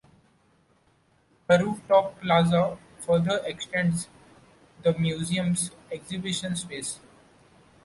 A rooftop plaza further extends the museum's exhibition space.